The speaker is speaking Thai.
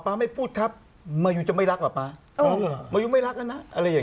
มันให้แต่ผู้หญิงอ่ะแต่ผู้หญิงเหมือนแม่เลย